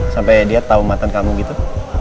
sampai dia tau mantan kamu gitu